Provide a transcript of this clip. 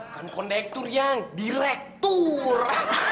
kan kondektur yang direktur